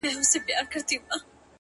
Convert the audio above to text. د زړه ملا مي راته وايي دغه،